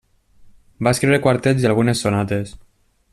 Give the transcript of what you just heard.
Va escriure quartets i algunes sonates.